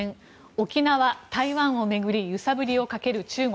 沖縄・台湾を巡り揺さぶりをかける中国。